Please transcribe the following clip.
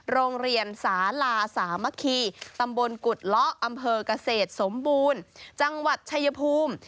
โรงเรียนสาลาสามัคคีตำบลกุฎเลาะอำเภอกเกษตรสมบูรณ์จังหวัดชายภูมิ